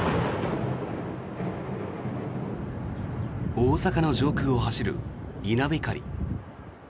大阪の上空を走る稲光。